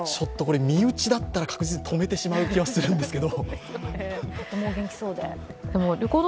身内だったら確実に止めてしまうんですけど。